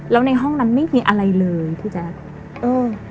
แล้วในห้องนั้นไม่มีอะไรเลยพี่แจ๊คเออ